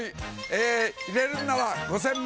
え入れるなら５０００万